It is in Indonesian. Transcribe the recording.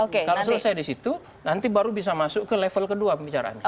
kalau selesai di situ nanti baru bisa masuk ke level kedua pembicaraannya